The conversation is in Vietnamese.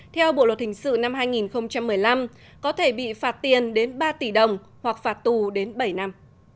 theo bộ luật hình sự năm hai nghìn một mươi năm có thể bị phạt tiền đến ba tỷ đồng hoặc phạt tù đến bảy năm